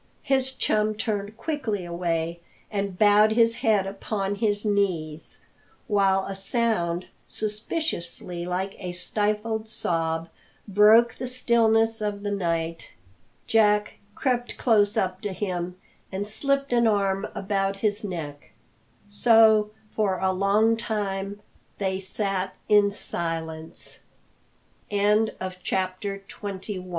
His chum turned quickly away and bowed his head upon his knees, while a sound suspiciously like a stifled sob broke the stillness of the night. Jack crept close up to him and slipped an arm about his neck. So, for a long time, they sat in silence. CHAPTER XXII. A REPORT FROM THE SEA. Jack